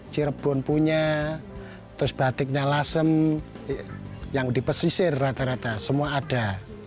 cirebon punya terus batiknya lasem yang di pesisir rata rata semua ada